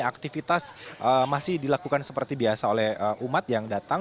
aktivitas masih dilakukan seperti biasa oleh umat yang datang